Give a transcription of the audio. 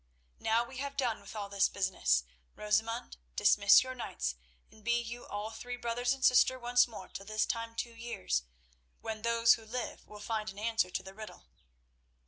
Now we have done with all this business. Rosamund, dismiss your knights, and be you all three brothers and sister once more till this time two years, when those who live will find an answer to the riddle."